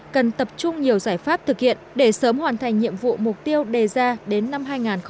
cần tập trung nhiều giải pháp thực hiện để sớm hoàn thành nhiệm vụ mục tiêu đề ra đến năm hai nghìn hai mươi